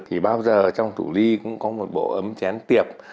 thì bao giờ trong thủ ly cũng có một bộ ấm chén tiệp